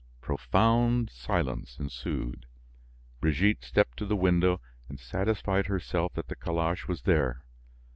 Profound silence ensued. Brigitte stepped to the window and satisfied herself that the calash was there.